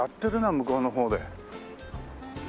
向こうの方で。